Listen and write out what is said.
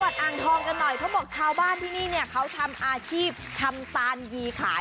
อ่างทองกันหน่อยเขาบอกชาวบ้านที่นี่เนี่ยเขาทำอาชีพทำตานยีขาย